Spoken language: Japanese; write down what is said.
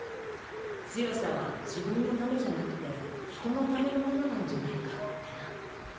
強さは自分のためじゃなくて人のためのものなんじゃないかってな。